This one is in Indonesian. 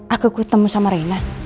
aku ketemu sama reina